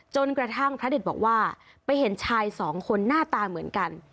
จนกระทั่งพระดิษฐ์บอกว่าไปเห็นชายสองคนหน้าตาเหมือนกัน